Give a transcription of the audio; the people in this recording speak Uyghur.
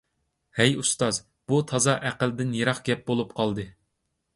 ھەي ئۇستاز، بۇ تازا ئەقىلدىن يىراق گەپ بولۇپ قالدى.